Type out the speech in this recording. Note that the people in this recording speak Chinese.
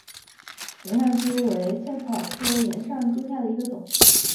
岩上珠为茜草科岩上珠属下的一个种。